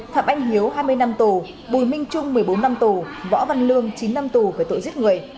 phạm anh hiếu hai mươi năm tù bùi minh trung một mươi bốn năm tù võ văn lương chín năm tù về tội giết người